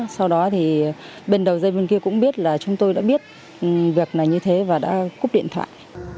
sau đó thì bên đầu dây bên kia cũng biết là chúng tôi đã biết việc này như thế và đã cúp điện thoại